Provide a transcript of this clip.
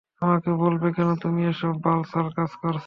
আমাকে বলবে কেন তুমি এসব বাল-ছাল কাজ করছো?